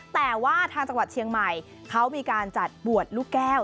แต่ว่าทางจังหวัดเชียงใหม่เขามีการจัดบวชลูกแก้ว